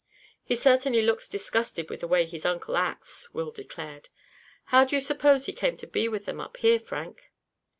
"He certainly looks disgusted with the way his uncle acts," Will declared. "How do you suppose he came to be with them up here, Frank?"